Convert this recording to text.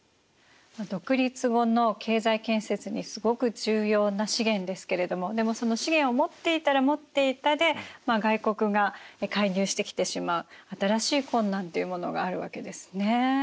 独立後の経済建設にすごく重要な資源ですけれどもでもその資源を持っていたら持っていたで外国が介入してきてしまう新しい困難というものがあるわけですね。